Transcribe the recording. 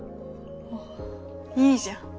あいいじゃん。